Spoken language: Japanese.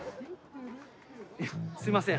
いやすいません